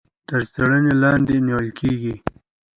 تر څيړنې لاندي نيول کېږي.